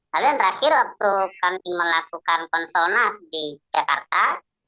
lalu yang terakhir waktu kami melakukan konsonas di jakarta